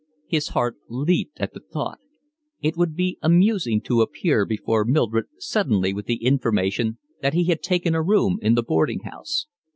His heart leaped at the thought. It would be amusing to appear before Mildred suddenly with the information that he had taken a room in the boarding house.